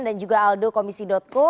dan juga aldo komisi co